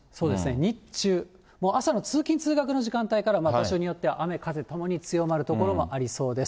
日中、もう朝の通勤・通学の時間帯から、場所によっては雨風ともに強まる所もありそうです。